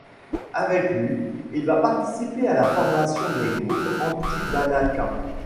Avec lui il va participer à la formation des groupes anti-balaka.